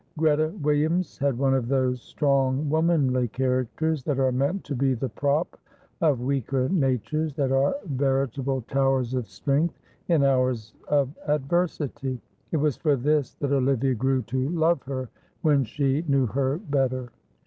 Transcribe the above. Greta Williams had one of those strong womanly characters that are meant to be the prop of weaker natures, that are veritable towers of strength in hours of adversity. It was for this that Olivia grew to love her when she knew her better.